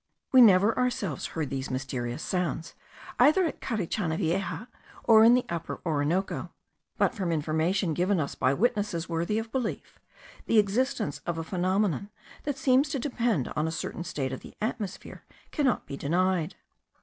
We never ourselves heard these mysterious sounds, either at Carichana Vieja, or in the Upper Orinoco; but from information given us by witnesses worthy of belief, the existence of a phenomenon that seems to depend on a certain state of the atmosphere, cannot be denied.